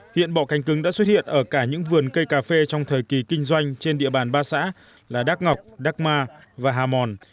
hiện bọ cánh cứng đã xuất hiện ở cả những vườn cây cà phê trong thời kỳ kinh doanh trên địa bàn ba xã là đắc ngọc đắc ma và hà mòn